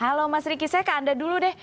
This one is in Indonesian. halo mas riki saya ke anda dulu deh